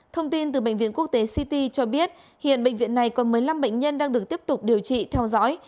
thông tin từ bệnh viện quốc tế ct cho biết hiện bệnh viện này còn một mươi năm bệnh nhân đang được tiếp tục điều trị theo dõi